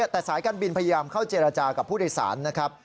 แต่สายการบินพยายามเข้าเจรจากับผู้โดยสารนะครับ